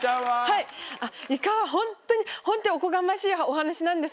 いかはホントにホントにおこがましいお話なんですが。